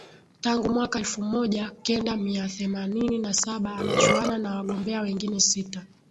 tangu mwaka elfu moja kenda mia themanini na saba anachuana na wagombea wengine sita